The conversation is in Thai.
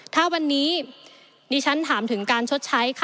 ถ้าวันนี้นี้ฉันถามที่การชดใช้หนังกายงไปแล้ว